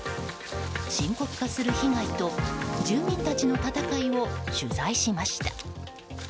深刻化する被害と住民たちの戦いを取材しました。